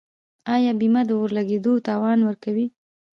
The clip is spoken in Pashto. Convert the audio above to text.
آیا بیمه د اور لګیدو تاوان ورکوي؟